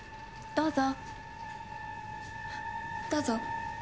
どうぞ。